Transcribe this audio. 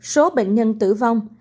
số bệnh nhân tử vong